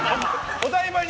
お台場に！